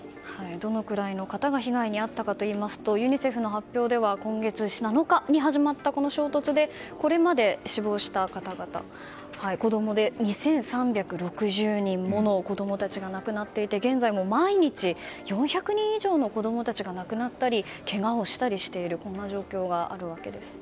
どのくらいの方が被害に遭ったかといいますとユニセフの発表では今月７日に始まったこの衝突でこれまで死亡した子供で２３６０人もの子供たちが亡くなっていて現在も毎日４００人以上の子供たちが亡くなったりけがをしているというこんな状況があるわけです。